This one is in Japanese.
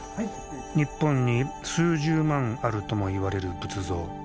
日本に数十万あるともいわれる仏像。